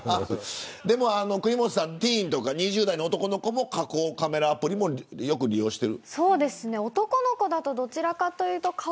国本さんティーンとか２０代の男の子も加工カメラアプリを利用してる。